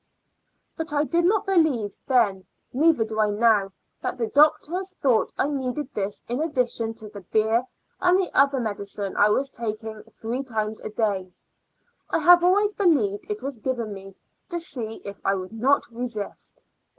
But I did not believe then, neither do I now, that the doctors thought I needed this in addition to the beer and the other medi cine I was taking three times a day. I have always believed it was given me to see if I would not resist.